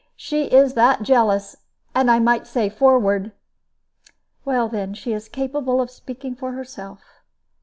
She is that jealous, and I might say forward " "Then she is capable of speaking for herself."